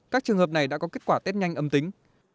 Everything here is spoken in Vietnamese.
các trường hợp này đã có kết quả tết nhanh âm tính